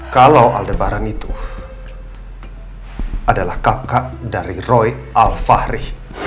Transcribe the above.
kalau aldebaran itu adalah kakak dari roy alfahri